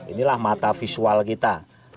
inilah mata visual kita